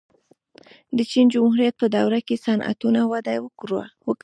د چین جمهوریت په دوره کې صنعتونه وده وکړه.